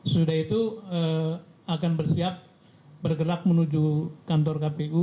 setelah itu akan bersiap bergerak menuju kantor